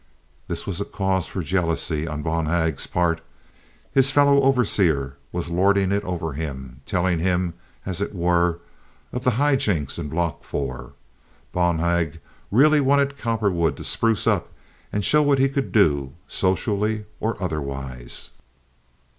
This was a cause for jealousy on Bonhag's part. His fellow overseer was lording it over him—telling him, as it were, of the high jinks in Block 4. Bonhag really wanted Cowperwood to spruce up and show what he could do, socially or otherwise.